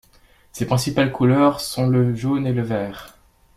Ses principales couleurs sont le jaune et le vert.